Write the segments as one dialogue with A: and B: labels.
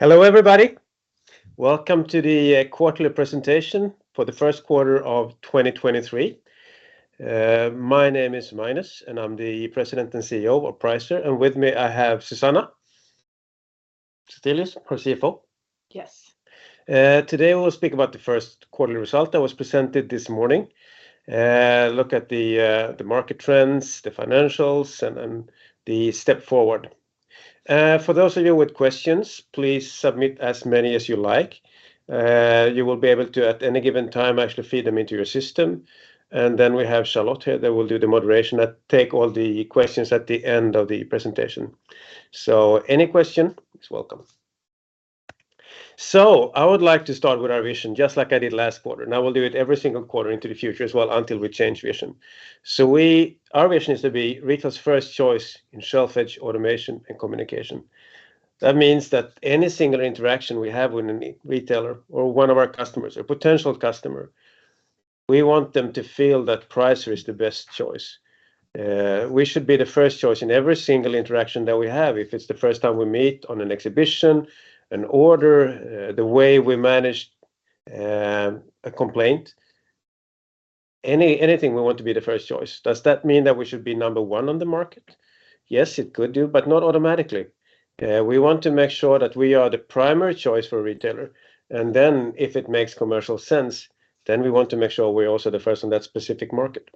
A: Hello, everybody. Welcome to the quarterly presentation for the first quarter of 2023. My name is Magnus, and I'm the President and CEO of Pricer, and with me I have Susanna Zethelius, our CFO.
B: Yes.
A: Today we'll speak about the first quarterly result that was presented this morning. Look at the market trends, the financials, and then the step forward. For those of you with questions, please submit as many as you like. You will be able to at any given time actually feed them into your system. We have Charlotte here that will do the moderation and take all the questions at the end of the presentation. Any question is welcome. I would like to start with our vision, just like I did last quarter, and I will do it every single quarter into the future as well until we change vision. Our vision is to be retail's first choice in shelf-edge automation and communication. That means that any single interaction we have with any retailer or one of our customers or potential customer, we want them to feel that Pricer is the best choice. We should be the first choice in every single interaction that we have. If it's the first time we meet on an exhibition, an order, the way we manage a complaint, anything, we want to be the first choice. Does that mean that we should be number one on the market? Yes, it could do, but not automatically. We want to make sure that we are the primary choice for a retailer, and then if it makes commercial sense, then we want to make sure we're also the first on that specific market.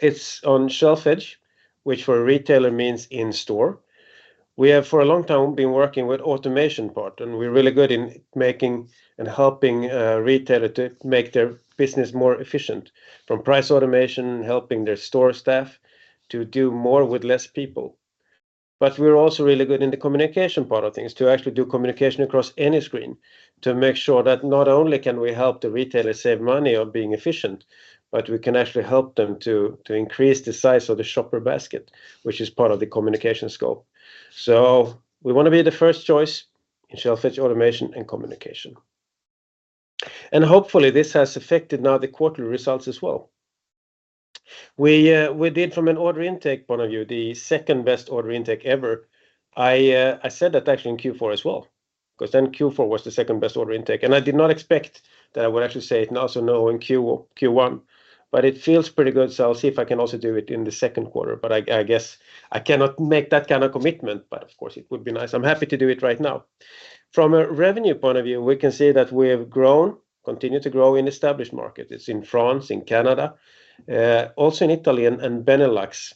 A: It's on shelf edge, which for a retailer means in store. We have for a long time been working with automation part, and we're really good in making and helping retailer to make their business more efficient, from price automation, helping their store staff to do more with less people. We're also really good in the communication part of things, to actually do communication across any screen, to make sure that not only can we help the retailer save money on being efficient, but we can actually help them to increase the size of the shopper basket, which is part of the communication scope. We wanna be the first choice in shelf-edge automation and communication. Hopefully this has affected now the quarterly results as well. We did from an order intake point of view, the second-best order intake ever. I said that actually in Q4 as well, 'cause then Q4 was the second-best order intake, and I did not expect that I would actually say it now, so no, in Q1. It feels pretty good, so I'll see if I can also do it in the second quarter. I guess I cannot make that kind of commitment, but of course it would be nice. I'm happy to do it right now. From a revenue point of view, we can see that we have grown, continue to grow in established market. It's in France, in Canada, also in Italy and Benelux.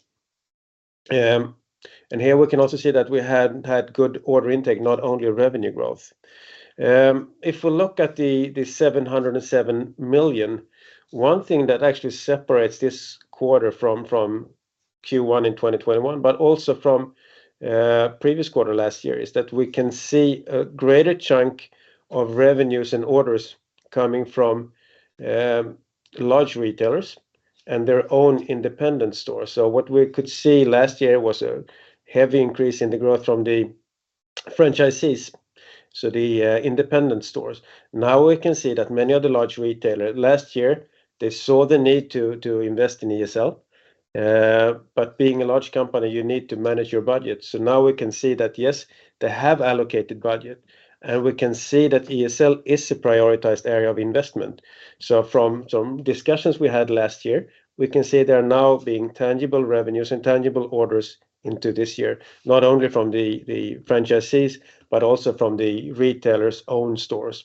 A: Here we can also see that we had good order intake, not only revenue growth. If we look at the 707 million, one thing that actually separates this quarter from Q1 in 2021, but also from previous quarter last year, is that we can see a greater chunk of revenues and orders coming from large retailers and their own independent stores. What we could see last year was a heavy increase in the growth from the franchisees, so the independent stores. Now we can see that many of the large retailer, last year, they saw the need to invest in ESL. But being a large company, you need to manage your budget. Now we can see that, yes, they have allocated budget, and we can see that ESL is a prioritized area of investment. From some discussions we had last year, we can see there are now being tangible revenues and tangible orders into this year, not only from the franchisees, but also from the retailers' own stores.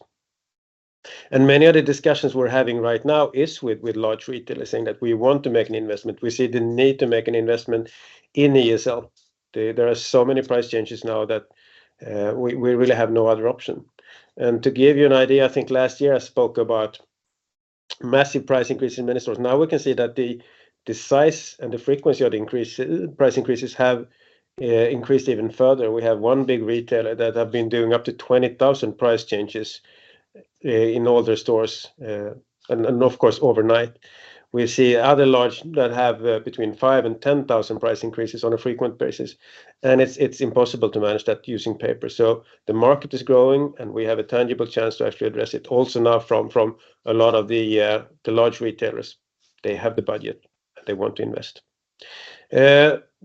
A: Many of the discussions we're having right now is with large retailers saying that we want to make an investment. We see the need to make an investment in ESL. There are so many price changes now that we really have no other option. To give you an idea, I think last year I spoke about massive price increase in many stores. Now we can see that the size and the frequency of the price increases have increased even further. We have one big retailer that have been doing up to 20,000 price changes in all their stores and of course, overnight. We see other large that have between 5,000 and 10,000 price increases on a frequent basis. It's impossible to manage that using paper. The market is growing, and we have a tangible chance to actually address it. Also now from a lot of the large retailers, they have the budget, and they want to invest.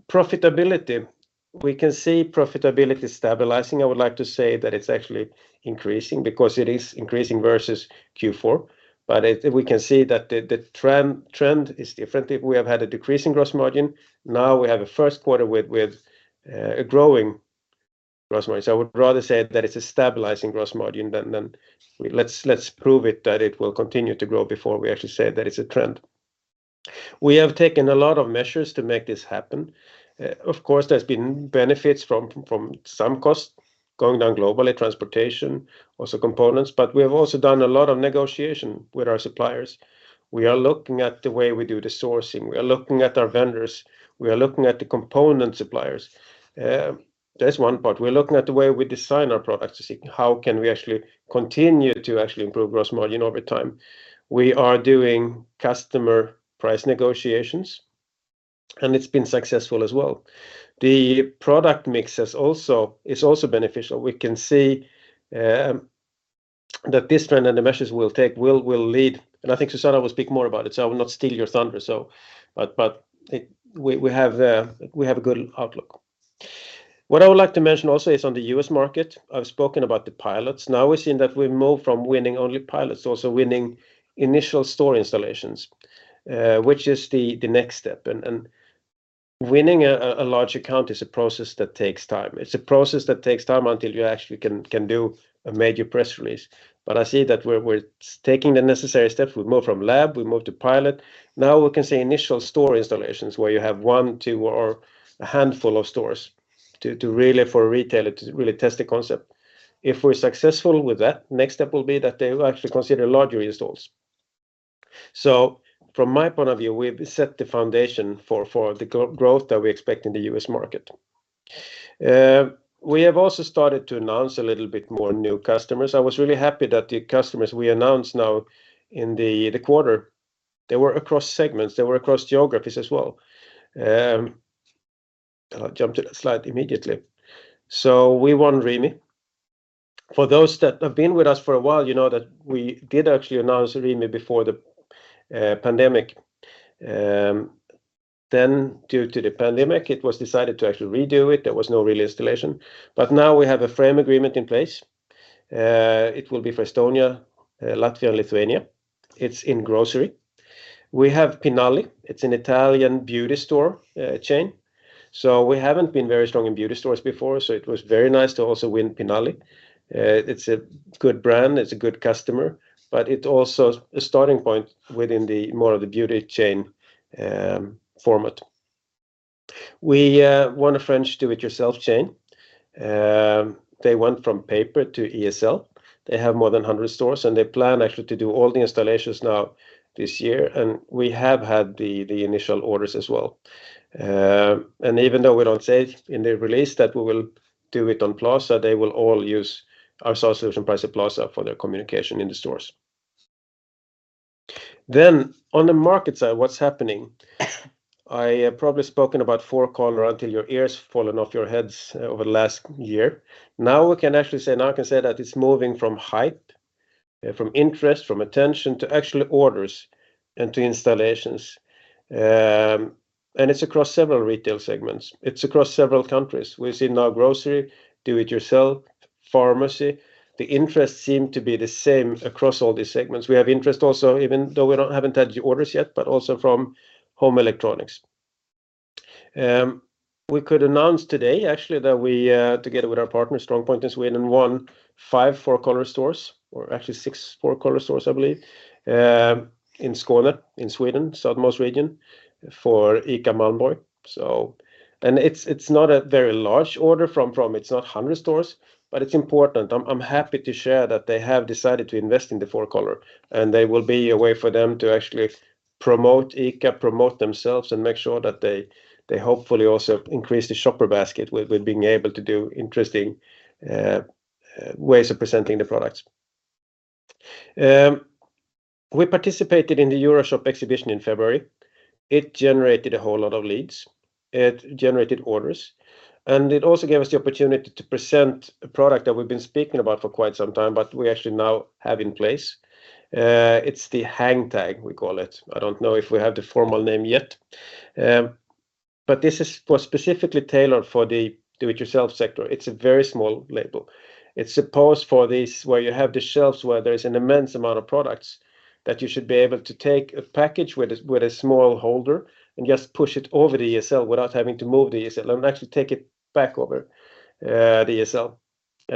A: Profitability. We can see profitability stabilizing. I would like to say that it's actually increasing because it is increasing versus Q4. We can see that the trend is different. If we have had a decrease in gross margin, now we have a first quarter with a growing gross margin. I would rather say that it's a stabilizing gross margin than Let's prove it that it will continue to grow before we actually say that it's a trend. We have taken a lot of measures to make this happen. Of course, there's been benefits from some costs going down globally, transportation, also components, we have also done a lot of negotiation with our suppliers. We are looking at the way we do the sourcing. We are looking at our vendors. We are looking at the component suppliers. That's one part. We're looking at the way we design our products to see how can we actually continue to actually improve gross margin over time. We are doing customer price negotiations, it's been successful as well. The product mix is also beneficial. We can see that this trend and the measures we'll take will lead, and I think Susanna will speak more about it. I will not steal your thunder. We have a good outlook. What I would like to mention also is on the U.S. market, I've spoken about the pilots. Now we're seeing that we've moved from winning only pilots, also winning initial store installations, which is the next step. Winning a large account is a process that takes time. It's a process that takes time until you actually can do a major press release. I see that we're taking the necessary steps. We've moved from lab, we moved to pilot. Now we can see initial store installations where you have one, two, or a handful of stores to really for a retailer to really test the concept. If we're successful with that, next step will be that they will actually consider larger installs. From my point of view, we've set the foundation for the growth that we expect in the U.S. market. We have also started to announce a little bit more new customers. I was really happy that the customers we announced now in the quarter, they were across segments, they were across geographies as well. I'll jump to that slide immediately. We won Rimi. For those that have been with us for a while, you know that we did actually announce Rimi before the pandemic. Due to the pandemic, it was decided to actually redo it. There was no real installation. Now we have a frame agreement in place. It will be for Estonia, Latvia, and Lithuania. It's in grocery. We have Pinalli. It's an Italian beauty store chain. We haven't been very strong in beauty stores before, it was very nice to also win Pinalli. It's a good brand. It's a good customer, it also a starting point within the more of the beauty chain format. We won a French do-it-yourself chain. They went from paper to ESL. They have more than 100 stores, they plan actually to do all the installations now this year, we have had the initial orders as well. Even though we don't say it in the release that we will do it on Plaza, they will all use our solution Pricer Plaza for their communication in the stores. On the market side, what's happening? I have probably spoken about four-color until your ears fallen off your heads over the last year. Now I can say that it's moving from hype, from interest, from attention to actual orders and to installations. It's across several retail segments. It's across several countries. We've seen now grocery, do it yourself, pharmacy. The interest seem to be the same across all these segments. We have interest also, even though we haven't had the orders yet, but also from home electronics. We could announce today actually that we, together with our partner StrongPoint in Sweden won five four-color stores or actually six four-color stores, I believe, in Skåne, in Sweden, southernmost region for ICA Malmborg. It's not a very large order from, it's not 100 stores, but it's important. I'm happy to share that they have decided to invest in the four-color, and they will be a way for them to actually promote ICA, promote themselves, and make sure that they hopefully also increase the shopper basket with being able to do interesting ways of presenting the products. We participated in the Euroshop exhibition in February. It generated a whole lot of leads. It generated orders. It also gave us the opportunity to present a product that we've been speaking about for quite some time, but we actually now have in place. It's the HangTAG we call it. I don't know if we have the formal name yet. This is for specifically tailored for the do it yourself sector. It's a very small label. It's supposed for this, where you have the shelves where there's an immense amount of products that you should be able to take a package with a, with a small holder and just push it over the ESL without having to move the ESL and actually take it back over, the ESL.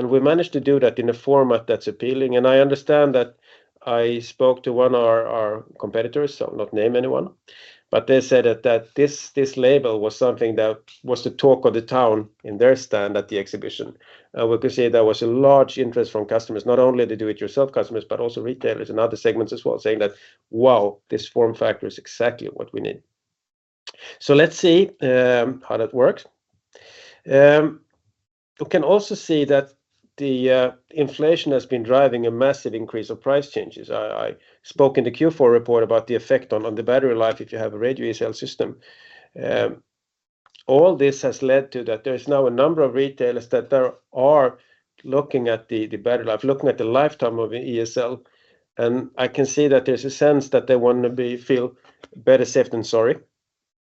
A: We managed to do that in a format that's appealing. I understand that I spoke to one of our competitors, so I'll not name anyone, but they said that this label was something that was the talk of the town in their stand at the exhibition. We could say there was a large interest from customers, not only the do it yourself customers, but also retailers in other segments as well, saying that, "Wow, this form factor is exactly what we need." Let's see how that works. You can also see that inflation has been driving a massive increase of price changes. I spoke in the Q4 report about the effect on the battery life if you have a radio ESL system. All this has led to that there is now a number of retailers that are looking at the battery life, looking at the lifetime of ESL. I can see that there's a sense that they wanna feel better safe than sorry,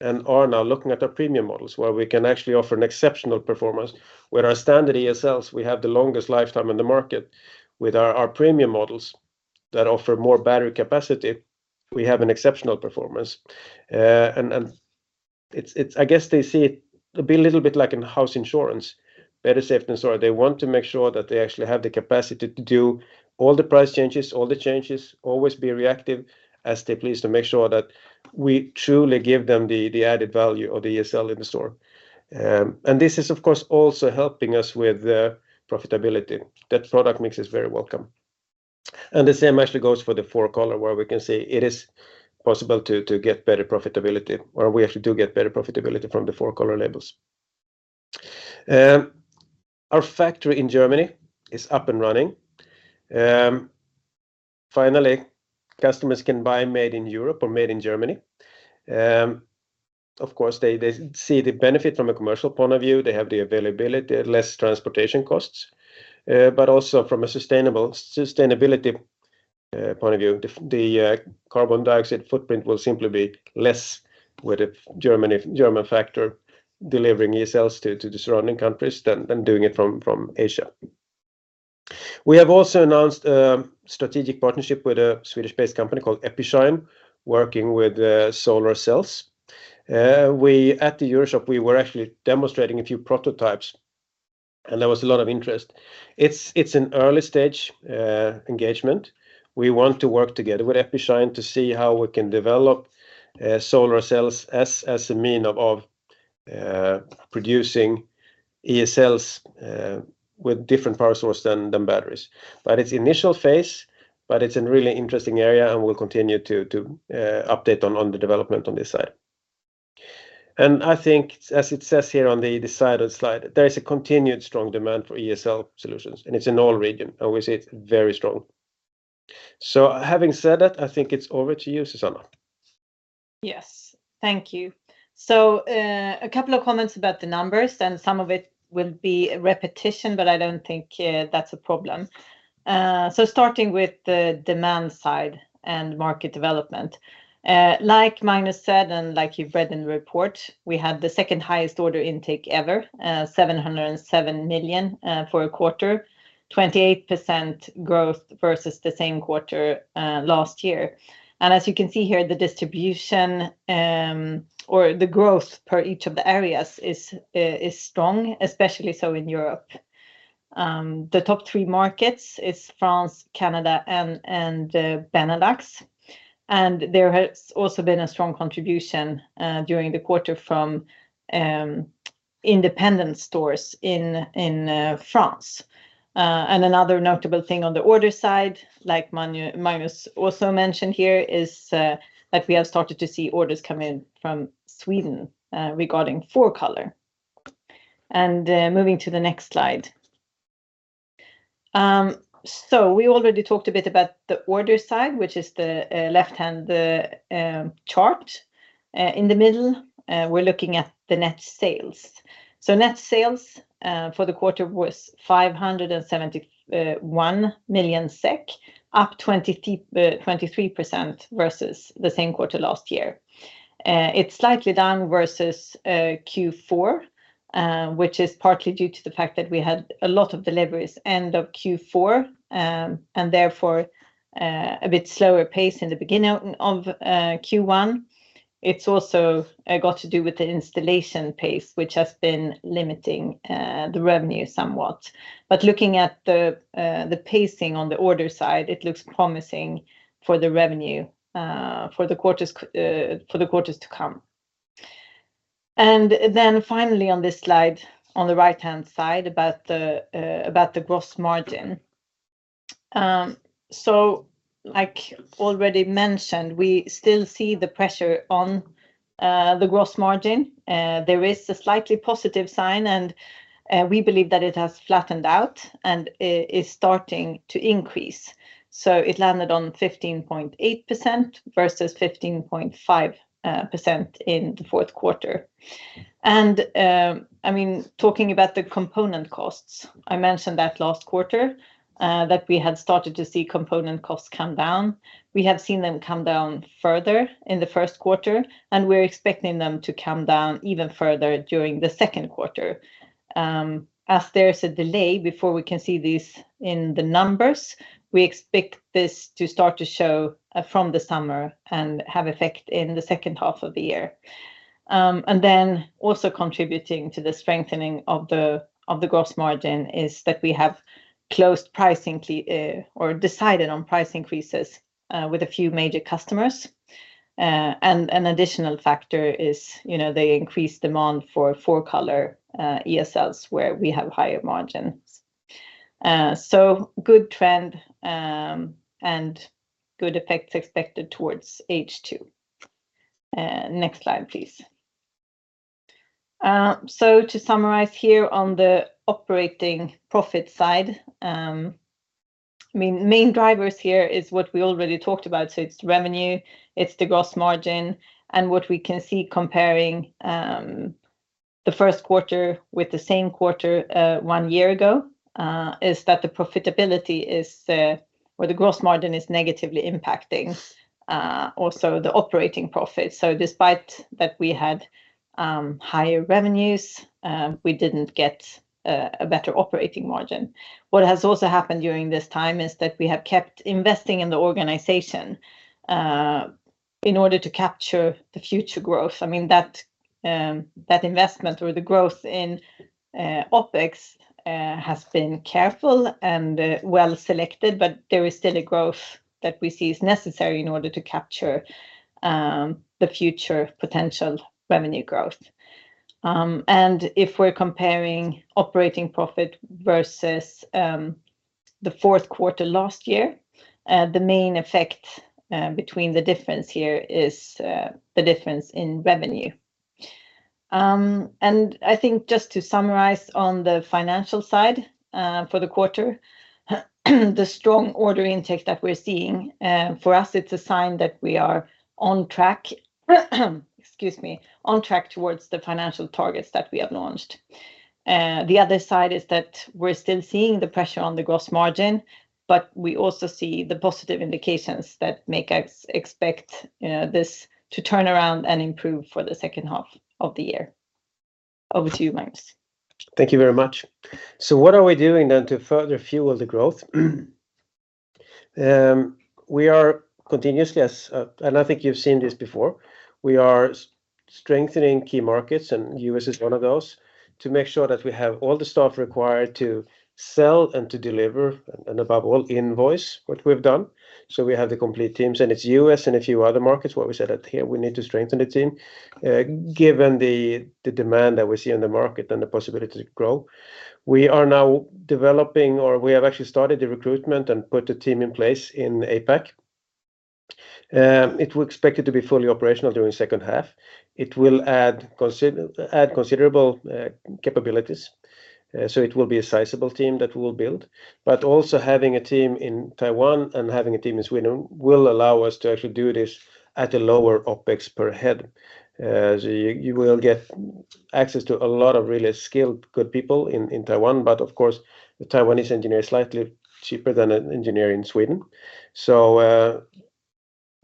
A: and are now looking at the premium models where we can actually offer an exceptional performance. With our standard ESLs, we have the longest lifetime in the market. With our premium models that offer more battery capacity, we have an exceptional performance. And it's I guess they see it a little bit like in-house insurance, better safe than sorry. They want to make sure that they actually have the capacity to do all the price changes, all the changes, always be reactive as they please to make sure that we truly give them the added value of the ESL in the store. This is of course also helping us with the profitability. That product mix is very welcome. The same actually goes for the four-color where we can say it is possible to get better profitability, or we actually do get better profitability from the four-color labels. Our factory in Germany is up and running. Finally, customers can buy made in Europe or made in Germany. Of course, they see the benefit from a commercial point of view. They have the availability, less transportation costs. Also from a sustainable, sustainability point of view, the carbon dioxide footprint will simply be less with a German factor delivering ESLs to the surrounding countries than doing it from Asia. We have also announced a strategic partnership with a Swedish-based company called Epishine, working with solar cells. At the EuroShop, we were actually demonstrating a few prototypes, and there was a lot of interest. It's an early-stage engagement. We want to work together with Epishine to see how we can develop solar cells as a mean of producing ESLs with different power source than batteries. It's initial phase, but it's an really interesting area, and we'll continue to update on the development on this side. I think as it says here on the decided slide, there is a continued strong demand for ESL solutions, and it's in all region, and we see it very strong. Having said that, I think it's over to you, Susanna.
B: Yes. Thank you. A couple of comments about the numbers, and some of it will be repetition, but I don't think that's a problem. Starting with the demand side and market development. Like Magnus said, and like you've read in the report, we had the second highest order intake ever, 707 million for a quarter, 28% growth versus the same quarter last year. As you can see here, the distribution, or the growth per each of the areas is strong, especially so in Europe. The top three markets is France, Canada, and Benelux. There has also been a strong contribution during the quarter from independent stores in France. Another notable thing on the order side, like Manu-Magnus also mentioned here, is that we have started to see orders come in from Sweden regarding four-color. Moving to the next slide. We already talked a bit about the order side, which is the left-hand chart. In the middle, we're looking at the net sales. Net sales for the quarter was 571 million SEK, up 23% versus the same quarter last year. It's slightly down versus Q4, which is partly due to the fact that we had a lot of deliveries end of Q4, and therefore, a bit slower pace in the beginning of Q1. It's also got to do with the installation pace, which has been limiting the revenue somewhat. Looking at the pacing on the order side, it looks promising for the revenue for the quarters to come. Finally on this slide on the right-hand side about the gross margin. Like already mentioned, we still see the pressure on the gross margin. There is a slightly positive sign, and we believe that it has flattened out and is starting to increase. It landed on 15.8% versus 15.5% in the fourth quarter. I mean, talking about the component costs, I mentioned that last quarter that we had started to see component costs come down. We have seen them come down further in the first quarter, and we're expecting them to come down even further during the second quarter. As there's a delay before we can see these in the numbers, we expect this to start to show from the summer and have effect in the second half of the year. Also contributing to the strengthening of the gross margin is that we have closed pricing or decided on price increases with a few major customers. An additional factor is, you know, the increased demand for four-color ESLs where we have higher margins. Good trend, good effects expected towards H2. Next slide, please. To summarize here on the operating profit side, I mean, main drivers here is what we already talked about. It's revenue, it's the gross margin, and what we can see comparing the first quarter with the same quarter one year ago, is that the profitability is, or the gross margin is negatively impacting, also the operating profit. Despite that we had higher revenues, we didn't get a better operating margin. What has also happened during this time is that we have kept investing in the organization in order to capture the future growth. I mean, that investment or the growth in OpEx has been careful and well selected, but there is still a growth that we see is necessary in order to capture the future potential revenue growth. If we're comparing operating profit versus the fourth quarter last year, the main effect between the difference here is the difference in revenue. I think just to summarize on the financial side, for the quarter, the strong order intake that we're seeing, for us it's a sign that we are on track, excuse me, on track towards the financial targets that we have launched. The other side is that we're still seeing the pressure on the gross margin, but we also see the positive indications that make us expect, you know, this to turn around and improve for the second half of the year. Over to you, Magnus.
A: Thank you very much. What are we doing then to further fuel the growth? We are continuously as, I think you've seen this before. We are strengthening key markets, and U.S. is one of those, to make sure that we have all the staff required to sell and to deliver and above all, invoice what we've done. We have the complete teams, and it's U.S. and a few other markets where we said that here we need to strengthen the team, given the demand that we see in the market and the possibility to grow. We are now developing, or we have actually started the recruitment and put the team in place in APAC. We expect it to be fully operational during second half. It will add considerable capabilities. It will be a sizable team that we'll build. Also having a team in Taiwan and having a team in Sweden will allow us to actually do this at a lower OpEx per head. You will get access to a lot of really skilled, good people in Taiwan, but of course the Taiwanese engineer is slightly cheaper than an engineer in Sweden.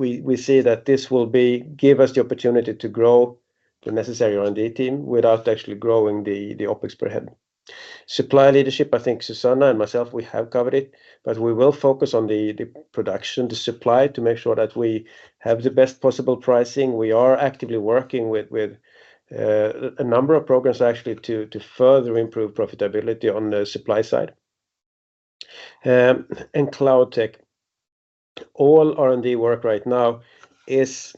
A: We see that this will give us the opportunity to grow the necessary R&D team without actually growing the OpEx per head. Supply leadership, I think Susanna and myself, we have covered it, but we will focus on the production, the supply to make sure that we have the best possible pricing. We are actively working with a number of programs actually to further improve profitability on the supply side. cloud tech. All R&D work right now is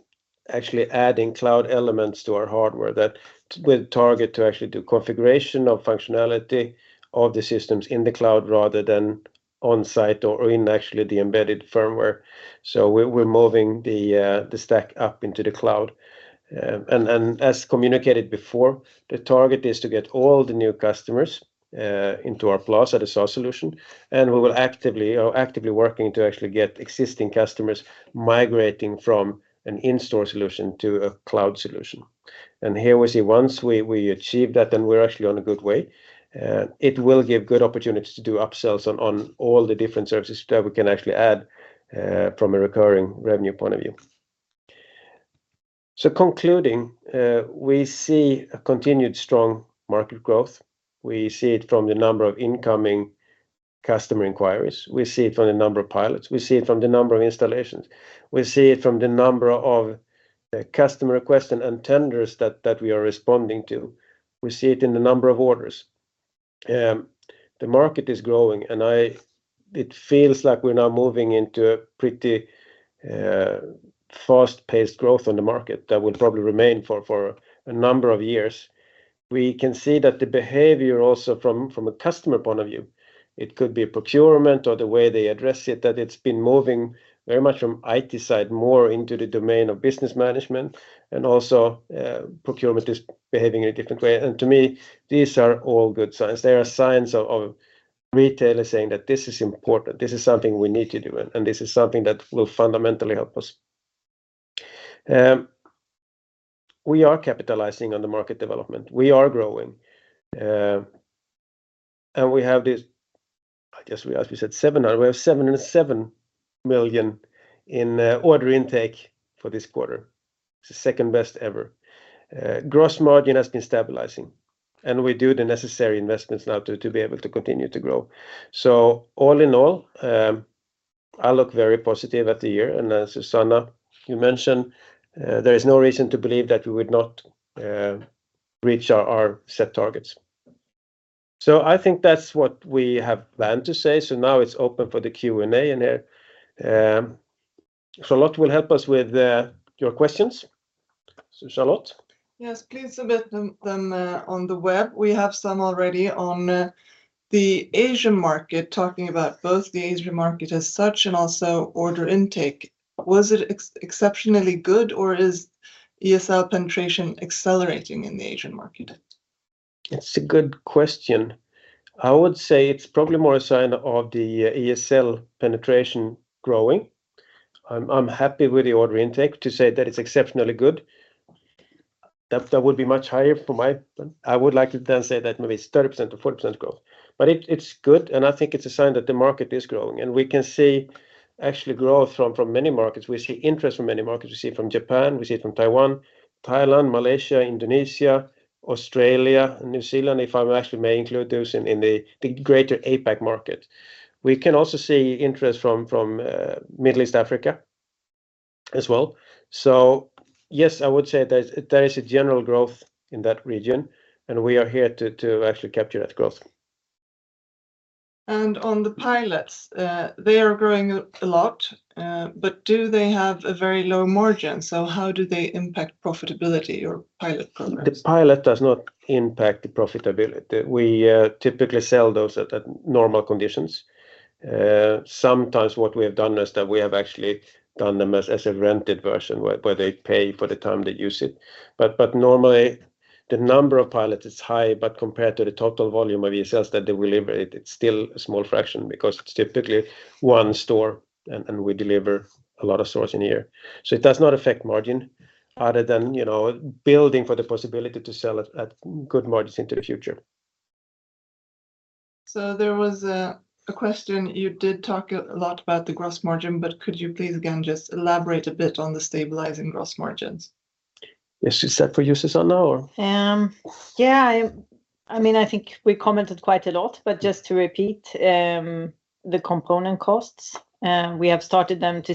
A: actually adding cloud elements to our hardware that we'll target to actually do configuration of functionality of the systems in the cloud rather than on-site or in actually the embedded firmware. We're moving the stack up into the cloud. As communicated before, the target is to get all the new customers into our plus as a source solution, and we will actively working to actually get existing customers migrating from an in-store solution to a cloud solution. Here we see once we achieve that, then we're actually on a good way. It will give good opportunities to do upsells on all the different services that we can actually add from a recurring revenue point of view. Concluding, we see a continued strong market growth. We see it from the number of incoming customer inquiries. We see it from the number of pilots. We see it from the number of installations. We see it from the number of customer requests and tenders that we are responding to. We see it in the number of orders. The market is growing, it feels like we're now moving into a pretty fast-paced growth on the market that will probably remain for a number of years. We can see that the behavior also from a customer point of view, it could be a procurement or the way they address it, that it's been moving very much from IT side more into the domain of business management and also, procurement is behaving in a different way. To me, these are all good signs. They are signs of retailers saying that this is important, this is something we need to do, and this is something that will fundamentally help us. We are capitalizing on the market development. We are growing. We have this, I guess we, as we said, 700. We have 7.7 million in order intake for this quarter. It's the second-best ever. Gross margin has been stabilizing, we do the necessary investments now to be able to continue to grow. All in all, I look very positive at the year, as Susanna, you mentioned, there is no reason to believe that we would not reach our set targets. I think that's what we have planned to say. Now it's open for the Q&A in here. Charlotte will help us with your questions. Charlotte?
C: Yes, please submit them on the web. We have some already on the Asian market, talking about both the Asian market as such and also order intake. Was it exceptionally good, or is ESL penetration accelerating in the Asian market?
A: It's a good question. I would say it's probably more a sign of the ESL penetration growing. I'm happy with the order intake to say that it's exceptionally good. That would be much higher. I would like to then say that maybe it's 30%-40% growth. It's good, and I think it's a sign that the market is growing. We can see actually growth from many markets. We see interest from many markets. We see it from Japan. We see it from Taiwan, Thailand, Malaysia, Indonesia, Australia, New Zealand, if I actually may include those in the greater APAC market. We can also see interest from Middle East Africa as well. Yes, I would say there is a general growth in that region, and we are here to actually capture that growth.
C: On the pilots, they are growing a lot, but do they have a very low margin? How do they impact profitability, your pilot programs?
A: The pilot does not impact the profitability. We typically sell those at normal conditions. Sometimes what we have done is that we have actually done them as a rented version where they pay for the time they use it. Normally the number of pilots is high, but compared to the total volume of ESLs that they will deliver, it's still a small fraction because it's typically one store and we deliver a lot of stores in a year. It does not affect margin other than, you know, building for the possibility to sell at good margins into the future.
C: There was a question, you did talk a lot about the gross margin, but could you please again, just elaborate a bit on the stabilizing gross margins?
A: Is that for you, Susanna, or?
B: I think we commented quite a lot, but just to repeat, the component costs, we have started to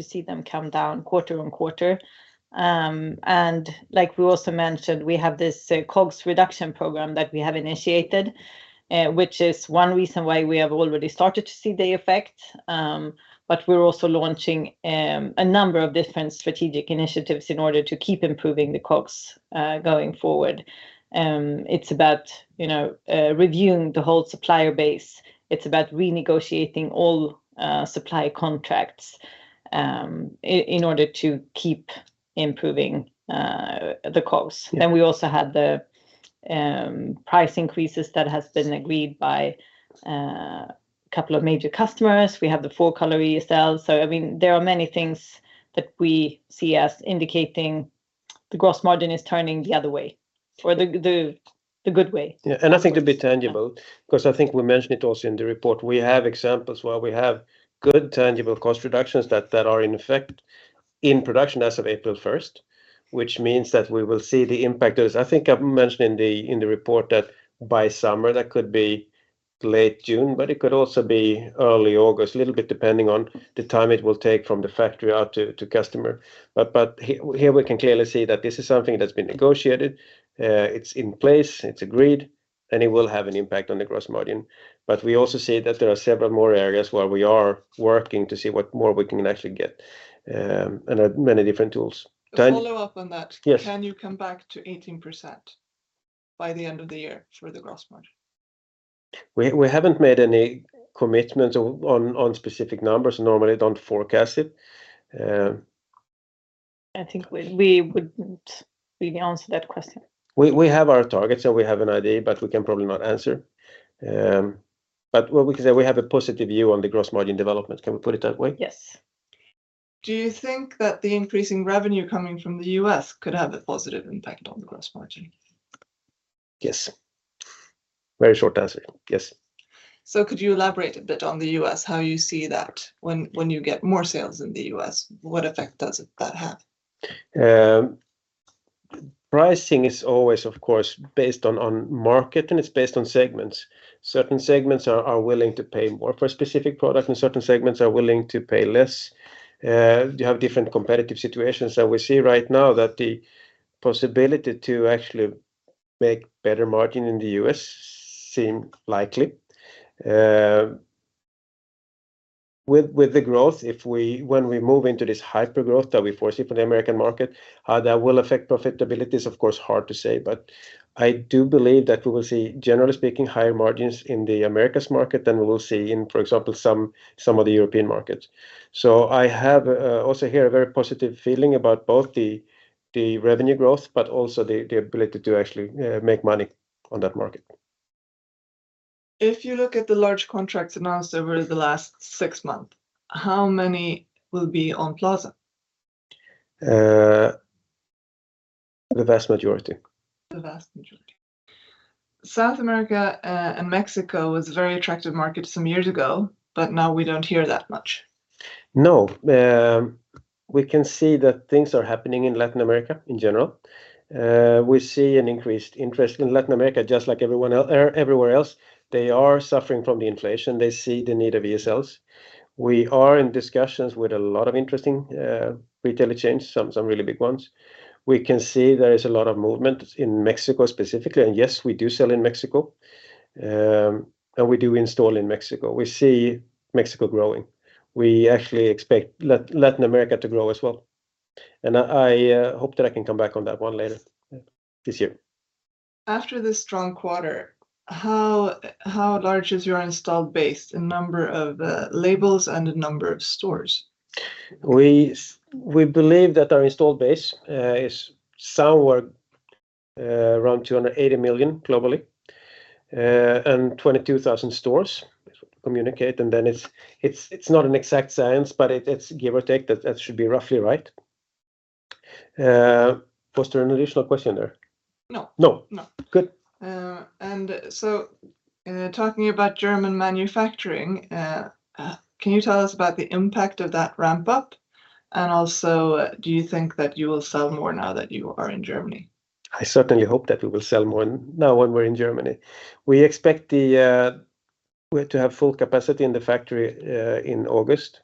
B: see them come down quarter on quarter. Like we also mentioned, we have this COGS reduction program that we have initiated, which is one reason why we have already started to see the effect. We're also launching a number of different strategic initiatives in order to keep improving the COGS going forward. It's about, you know, reviewing the whole supplier base. It's about renegotiating all supply contracts in order to keep improving the COGS.
A: Yeah.
B: We also had the price increases that has been agreed by a couple of major customers. We have the four-color ESLs. I mean, there are many things that we see as indicating the gross margin is turning the other way or the good way.
A: Yeah. I think a bit tangible-
B: Yeah
A: 'cause I think we mentioned it also in the report, we have examples where we have good tangible cost reductions that are in effect in production as of April 1st, which means that we will see the impact of this. I think I mentioned in the, in the report that by summer, that could be late June, but it could also be early August. A little bit depending on the time it will take from the factory out to customer. But here we can clearly see that this is something that's been negotiated. It's in place, it's agreed, and it will have an impact on the gross margin. We also see that there are several more areas where we are working to see what more we can actually get, and at many different tools.
C: A follow up on that.
A: Yes.
C: Can you come back to 18% by the end of the year for the gross margin?
A: We haven't made any commitments on specific numbers. Normally don't forecast it.
B: I think we wouldn't really answer that question.
A: We have our targets, so we have an idea, but we can probably not answer. What we can say, we have a positive view on the gross margin development. Can we put it that way?
B: Yes.
C: Do you think that the increasing revenue coming from the U.S. could have a positive impact on the gross margin?
A: Yes. Very short answer. Yes.
C: Could you elaborate a bit on the U.S. how you see that when you get more sales in the U.S., what effect does that have?
A: Pricing is always, of course, based on market, and it's based on segments. Certain segments are willing to pay more for a specific product, and certain segments are willing to pay less. You have different competitive situations. We see right now that the possibility to actually make better margin in the US seem likely, with the growth. When we move into this hyper-growth that we foresee for the American market, that will affect profitability is of course hard to say. I do believe that we will see, generally speaking, higher margins in the Americas market than we will see in, for example, some of the European markets. I have also here a very positive feeling about both the revenue growth, but also the ability to actually make money on that market.
C: If you look at the large contracts announced over the last six months, how many will be on Plaza?
A: The vast majority.
C: The vast majority. South America, and Mexico was a very attractive market some years ago, but now we don't hear that much.
A: No. We can see that things are happening in Latin America in general. We see an increased interest in Latin America, just like everyone everywhere else. They are suffering from the inflation. They see the need of ESLs. We are in discussions with a lot of interesting retailer chains, some really big ones. We can see there is a lot of movement in Mexico specifically. Yes, we do sell in Mexico, and we do install in Mexico. We see Mexico growing. We actually expect Latin America to grow as well. I hope that I can come back on that one later this year.
C: After this strong quarter, how large is your installed base in number of labels and the number of stores?
A: We believe that our installed base is somewhere around 280 million globally, and 22,000 stores communicate. It's not an exact science, but it's give or take that should be roughly right. Was there an additional question there?
C: No.
A: No.
C: No.
A: Good.
C: Talking about German manufacturing, can you tell us about the impact of that ramp up? Do you think that you will sell more now that you are in Germany?
A: I certainly hope that we will sell more now when we're in Germany. We expect we have to have full capacity in the factory in August.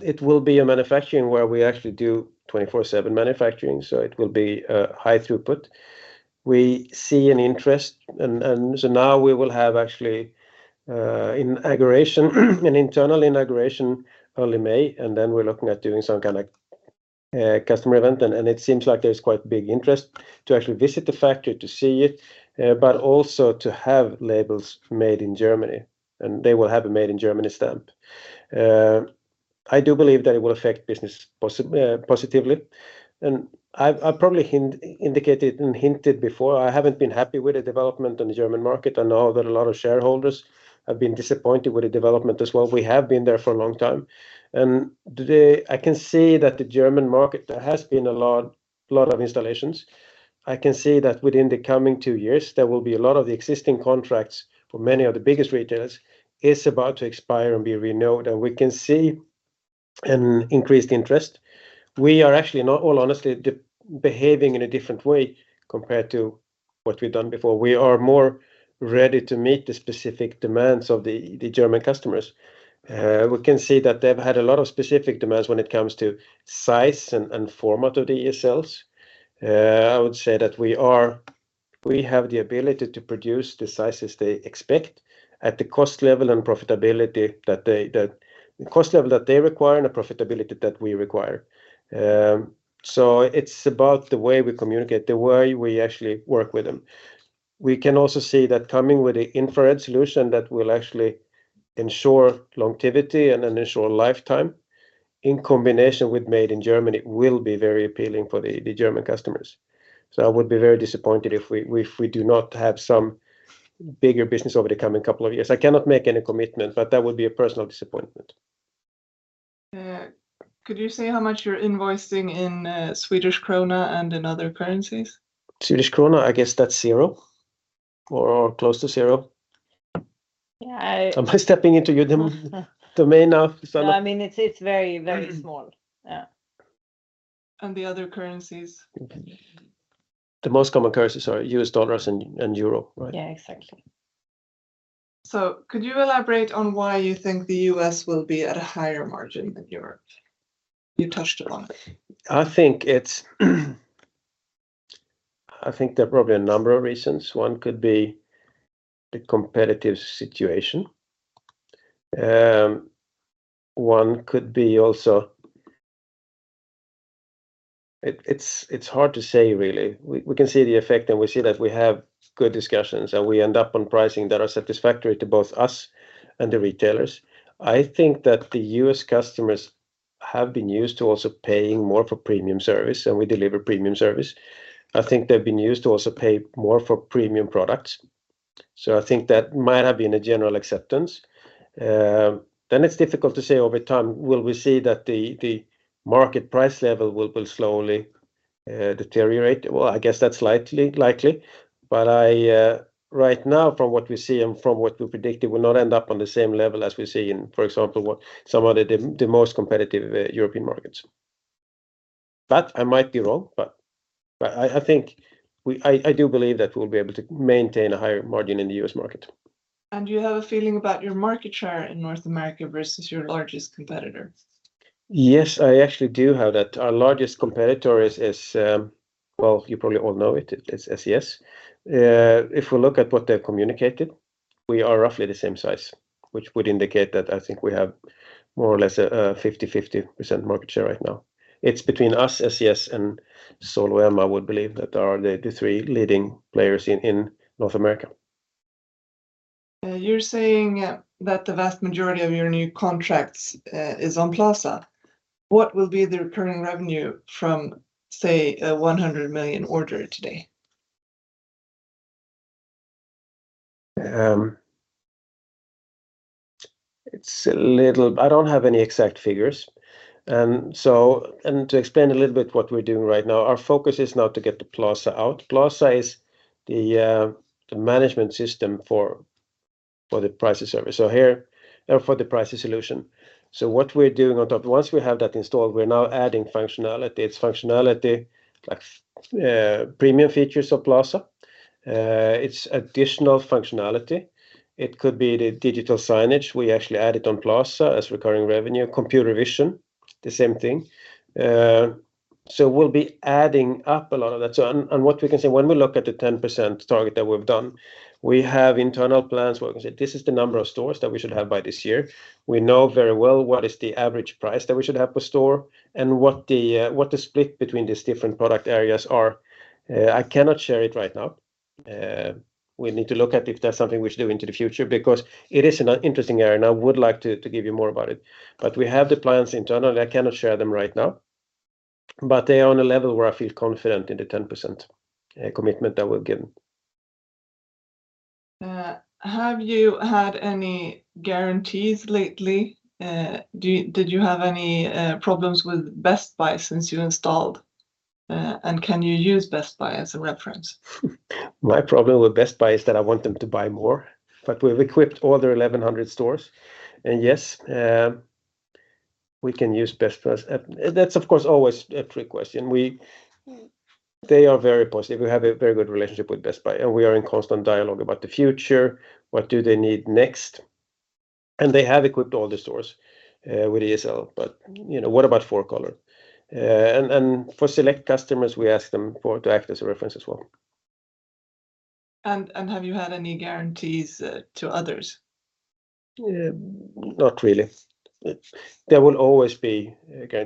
A: It will be a manufacturing where we actually do 24/7 manufacturing, so it will be high throughput. We see an interest now we will have actually inauguration, an internal inauguration early May, we're looking at doing some kind of customer event. It seems like there's quite big interest to actually visit the factory to see it, but also to have labels made in Germany, and they will have a made in Germany stamp. I do believe that it will affect business positively, I've probably indicated and hinted before I haven't been happy with the development on the German market. I know that a lot of shareholders have been disappointed with the development as well. We have been there for a long time, and today I can see that the German market, there has been a lot of installations. I can see that within the coming two years there will be a lot of the existing contracts for many of the biggest retailers is about to expire and be renewed, and we can see an increased interest. We are actually, in all honesty, behaving in a different way compared to what we've done before. We are more ready to meet the specific demands of the German customers. We can see that they've had a lot of specific demands when it comes to size and format of the ESLs. I would say that we have the ability to produce the sizes they expect at the cost level and profitability that the cost level that they require and the profitability that we require. It's about the way we communicate, the way we actually work with them. We can also see that coming with a infrared solution that will actually ensure longevity and ensure lifetime in combination with made in Germany will be very appealing for the German customers. I would be very disappointed if we do not have some bigger business over the coming couple of years. I cannot make any commitment, but that would be a personal disappointment.
C: Could you say how much you're invoicing in Swedish krona and in other currencies?
A: Swedish krona, I guess that's zero or close to zero.
C: Yeah.
A: Am I stepping into your domain now, Susanna?
B: No, I mean, it's very, very small. Yeah.
C: The other currencies?
A: The most common currencies are US dollars and euro, right?
B: Yeah, exactly.
C: Could you elaborate on why you think the US will be at a higher margin than Europe? You touched upon it.
A: I think there are probably a number of reasons. One could be the competitive situation. One could be also. It's hard to say really. We can see the effect, and we see that we have good discussions, and we end up on pricing that are satisfactory to both us and the retailers. I think that the U.S. customers have been used to also paying more for premium service, and we deliver premium service. I think they've been used to also pay more for premium products, so I think that might have been a general acceptance. It's difficult to say over time, will we see that the market price level will slowly deteriorate? Well, I guess that's likely. I, right now from what we see and from what we predict, it will not end up on the same level as we see in, for example, what some of the most competitive European markets. I might be wrong, but I think I do believe that we'll be able to maintain a higher margin in the U.S. market.
C: Do you have a feeling about your market share in North America versus your largest competitor?
A: Yes, I actually do have that. Our largest competitor is, well, you probably all know it's SES. If we look at what they've communicated, we are roughly the same size, which would indicate that I think we have more or less a 50/50% market share right now. It's between us, SES, and SoluM I would believe that are the three leading players in North America.
C: You're saying that the vast majority of your new contracts, is on Plaza. What will be the recurring revenue from, say, a 100 million order today?
A: I don't have any exact figures. To explain a little bit what we're doing right now, our focus is now to get the Plaza out. Plaza is the management system for the Pricer's service. Here for the Pricer solution. What we're doing on top, once we have that installed, we're now adding functionality. It's functionality like premium features of Plaza. It's additional functionality. It could be the digital signage we actually added on Plaza as recurring revenue. computer vision, the same thing. We'll be adding up a lot of that. What we can say when we look at the 10% target that we've done, we have internal plans where we can say, "This is the number of stores that we should have by this year." We know very well what is the average price that we should have per store and what the, what the split between these different product areas are. I cannot share it right now. We need to look at if that's something we should do into the future because it is an interesting area, and I would like to give you more about it. We have the plans internally. I cannot share them right now, they are on a level where I feel confident in the 10% commitment that we've given.
C: Have you had any guarantees lately? Do you, did you have any problems with Best Buy since you installed? Can you use Best Buy as a reference?
A: My problem with Best Buy is that I want them to buy more, but we've equipped all their 1,100 stores. Yes, we can use Best Buy as a... That's of course always a trick question. They are very positive. We have a very good relationship with Best Buy, and we are in constant dialogue about the future, what do they need next, and they have equipped all the stores with ESL. You know, what about four-color? For select customers, we ask them to act as a reference as well.
C: Have you had any guarantees to others?
A: Not really. There will always be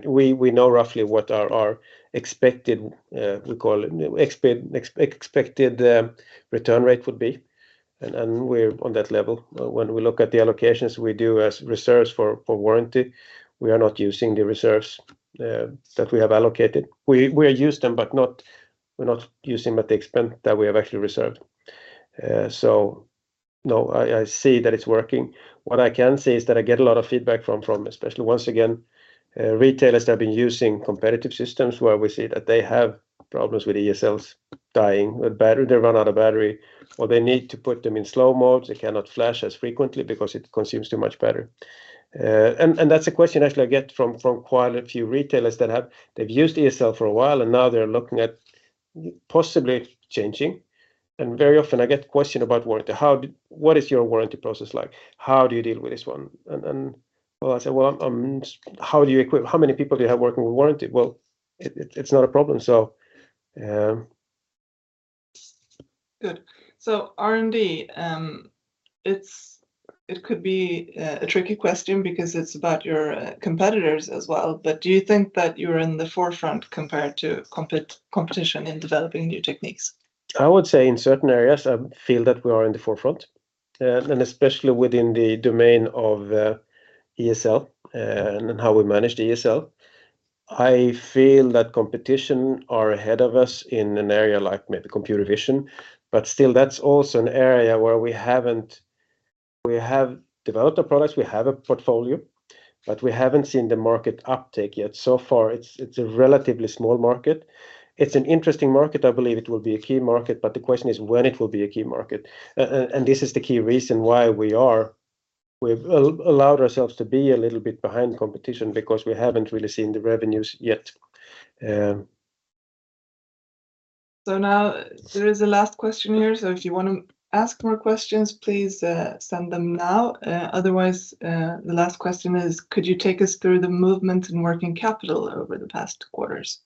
A: we know roughly what our expected return rate would be and we're on that level. When we look at the allocations we do as reserves for warranty, we are not using the reserves that we have allocated. We use them, but we're not using at the extent that we have actually reserved. No, I see that it's working. What I can say is that I get a lot of feedback from especially, once again, retailers that have been using competitive systems where we see that they have problems with ESLs dying with battery. They run out of battery, or they need to put them in slow modes. They cannot flash as frequently because it consumes too much battery. and that's a question actually I get from quite a few retailers that they've used ESL for a while, and now they're looking at possibly changing, and very often I get question about warranty. What is your warranty process like? How do you deal with this one? Well, I say, "Well, how do you equip? How many people do you have working with warranty?" Well, it's not a problem, so.
C: Good. R&D, it could be a tricky question because it's about your competitors as well. Do you think that you're in the forefront compared to competition in developing new techniques?
A: I would say in certain areas I feel that we are in the forefront, especially within the domain of, ESL and how we manage ESL. I feel that competition are ahead of us in an area like maybe computer vision, but still that's also an area where we haven't... We have developed the products. We have a portfolio, but we haven't seen the market uptake yet. Far, it's a relatively small market. It's an interesting market. I believe it will be a key market, but the question is when it will be a key market. This is the key reason why we've allowed ourselves to be a little bit behind competition because we haven't really seen the revenues yet.
C: Now there is a last question here, so if you wanna ask more questions, please, send them now. Otherwise, the last question is, could you take us through the movement in working capital over the past quarters?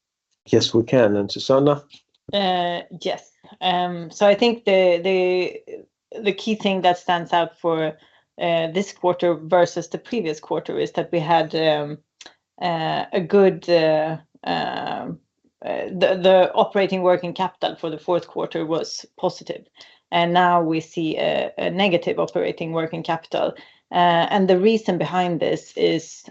A: Yes, we can. Susanna?
B: Yes. I think the key thing that stands out for this quarter versus the previous quarter is that we had the operating working capital for the fourth quarter was positive, and now we see negative operating working capital. The reason behind this is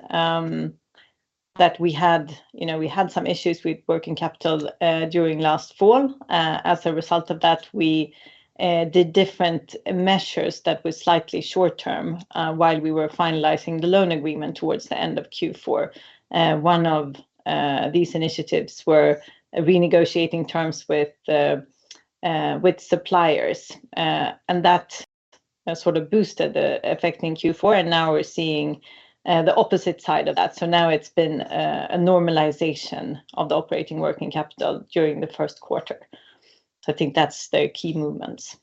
B: that we had, you know, we had some issues with working capital during last fall. As a result of that, we did different measures that were slightly short-term while we were finalizing the loan agreement towards the end of Q4. One of these initiatives were renegotiating terms with suppliers, and that sort of boosted the effect in Q4, and now we're seeing the opposite side of that. Now it's been a normalization of the operating working capital during the first quarter. I think that's the key movements.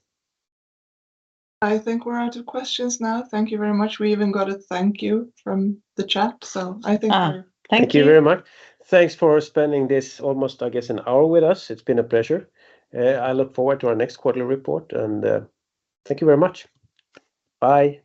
C: I think we're out of questions now. Thank you very much. We even got a thank you from the chat.
B: Thank you.
A: Thank you very much. Thanks for spending this almost, I guess, an hour with us. It's been a pleasure. I look forward to our next quarterly report, and, thank you very much. Bye.